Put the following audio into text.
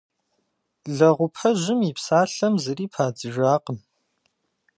Лэгъупэжьым и псалъэм зыри падзыжакъым.